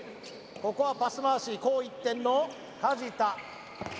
ここはパス回し紅一点の梶田